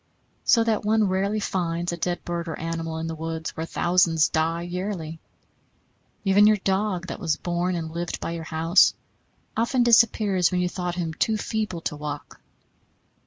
So that one rarely finds a dead bird or animal in the woods where thousands die yearly. Even your dog, that was born and lived by your house, often disappears when you thought him too feeble to walk.